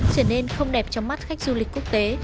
trở nên không đẹp trong mắt khách du lịch quốc tế